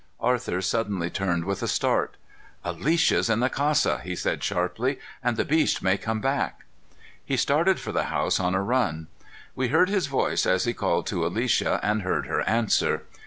Arthur suddenly turned with a start. "Alicia's in the casa," he said sharply, "and the beast may come back." He started for the house on a run. We heard his voice as he called to Alicia and heard her answer.